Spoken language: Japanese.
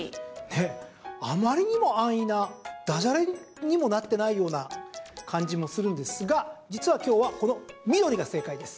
あまりにも安易なだじゃれにもなっていないような感じもするのですが実は、今日はこの緑が正解です。